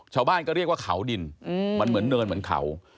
ชาวบ้านก็เรียกว่าเขาดินมันเหมือนเนินเหมือนเขา